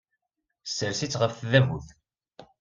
Ssers-itt ɣef tdabut.